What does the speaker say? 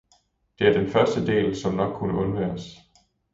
Det er første del som nok kunne undværes